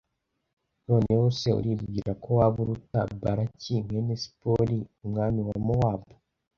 noneho se, uribwira ko waba uruta balaki mwene sipori, umwami wa mowabu